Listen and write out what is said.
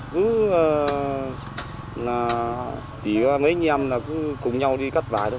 cứ chỉ mấy anh em cùng nhau đi cắt vải thôi